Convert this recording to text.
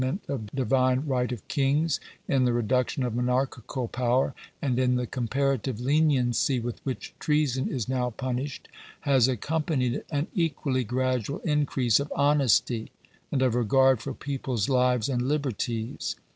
ment of divine right of kings, in the reduction of monarchical power, and in the comparative leniency with which treason is now punished — has accompanied an equally gradual increase of honesty, and of regard for people's lives and liberties.